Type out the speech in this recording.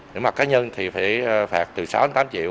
nếu mà cá nhân thì phải phạt từ sáu đến tám triệu